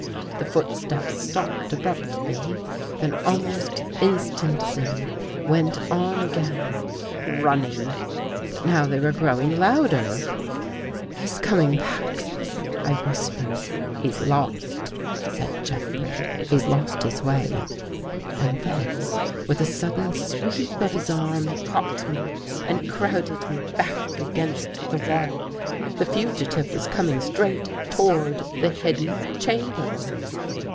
The footsteps stopped ab ruptly, then almost instantly went on again, running. But now they were growing louder. " He's coming back," I whispered. " He's lost," said Jeffrey. " He's lost his way." And then, with a sudden sweep of his arm, he caught me and crowded me back against the wall. The fugitive was coming straight toward the hidden chamber.